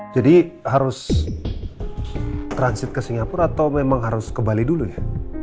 jadi harus transit ke singapura atau memang harus ke bali dulu ya